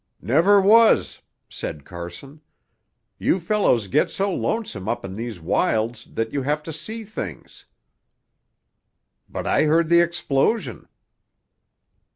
"Never was," said Carson. "You fellows get so lonesome up in these wilds that you have to see things." "But I heard the explosion."